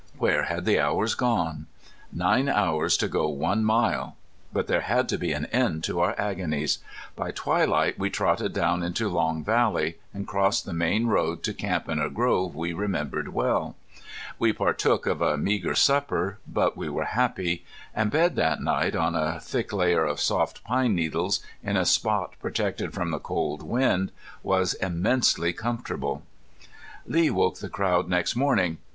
Where had the hours gone? Nine hours to go one mile! But there had to be an end to our agonies. By twilight we trotted down into Long Valley, and crossed the main road to camp in a grove we remembered well. We partook of a meagre supper, but we were happy. And bed that night on a thick layer of soft pine needles, in a spot protected from the cold wind, was immensely comfortable. Lee woke the crowd next morning.